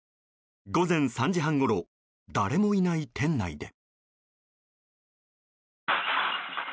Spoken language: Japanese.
午前３時半ごろ誰もいない店内で。